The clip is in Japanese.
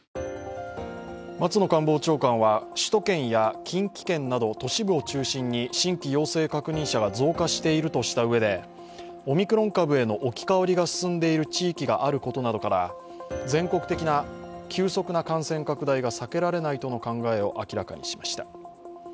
松野官房長官は首都圏や近畿圏など首都圏を中心に新規陽性確認者が増加しているとしたうえでオミクロン株への置き換わりが進んでいる地域があることなどから、全国的な急速な感染拡大が避けられないとの考えを明らかにしました。